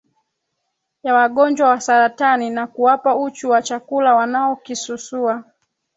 ya wagonjwa wa saratani na kuwapa uchu wa chakula wanaokisusua